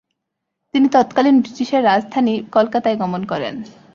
তিনি তৎকালীন ব্রিটিশের রাজধানী কলকাতায় গমন করেন।